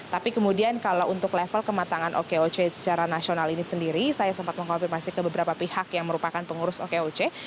tapi kemudian kalau untuk level kematangan okoc secara nasional ini sendiri saya sempat mengkonfirmasi ke beberapa pihak yang merupakan pengurus okoc